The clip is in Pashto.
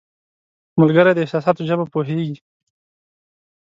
ملګری د احساساتو ژبه پوهیږي